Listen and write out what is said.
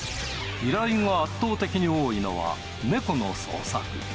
依頼が圧倒的に多いのは猫の捜索。